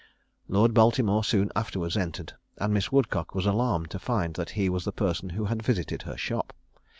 Lord Baltimore soon afterwards entered; and Miss Woodcock was alarmed to find that he was the person who had visited her shop.